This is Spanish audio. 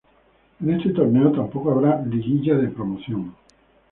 En este Torneo tampoco habrá liguilla de Promoción.